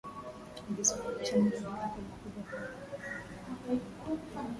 ikisababisha mabadiliko makubwa kwa bayoanuai